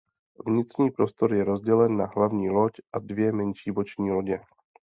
Vnitřní prostor je rozdělen na hlavní loď a dvě menší boční lodě.